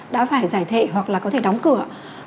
đã phải giải thể hoặc là có thể đóng cửa